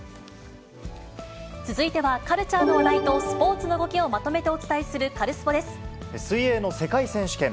続いては、カルチャーの話題とスポーツの動きをまとめてお伝えする、カルス水泳の世界選手権。